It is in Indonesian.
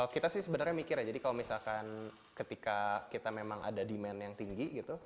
kita sih sebenarnya mikir ya jadi kalau misalkan ketika kita memang ada demand yang tinggi gitu